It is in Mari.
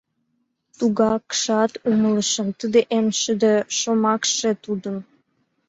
Тугакшат умылышым: тиде эн шыде шомакше тудын.